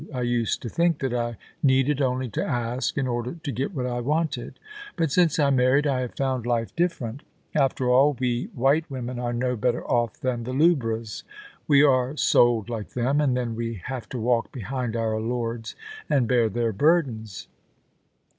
I used to think that I needed only to ask in order to get what I wanted ; but since I married I have found life different After all, we white women are no better off" than the lubras ;* we are sold like them, and then we have to walk behind our lords and bear their burdens.'